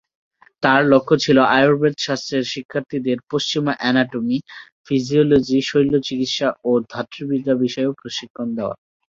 তাঁর লক্ষ্য ছিল আয়ুর্বেদশাস্ত্রের শিক্ষার্থীদের পশ্চিমা অ্যানাটমি, ফিজিওলজি, শৈল্যচিকিৎসা ও ধাত্রীবিদ্যা বিষয়েও প্রশিক্ষণ দেওয়া।